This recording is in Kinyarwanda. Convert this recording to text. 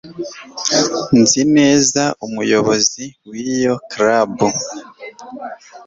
Nzi neza umuyobozi wiyo club